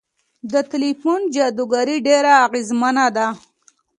د تلقين جادوګري ډېره اغېزمنه ده.